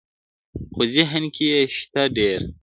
خو ذهن کي يې شته ډېر-